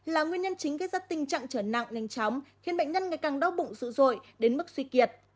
là nguyên nhân chính gây ra tình trạng trở nặng nhanh chóng khiến bệnh nhân ngày càng đau bụng sụi đến mức suy kiệt